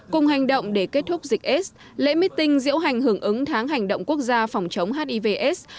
cùng hành động để kết thúc dịch aids lễ mít tinh diễu hành hưởng ứng tháng hành động quốc gia phòng chống hiv aids